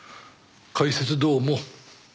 解説どうも。